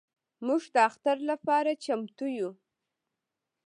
موږ د اختر لپاره چمتو یو.